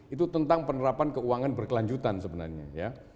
itu tentang penerapan keuangan berkelanjutan sebenarnya ya